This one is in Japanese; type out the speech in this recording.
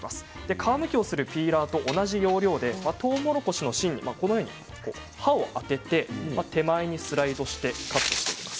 皮むきをするピーラーと同じ要領でとうもろこしの芯に刃を当てて手前にスライドしていきます。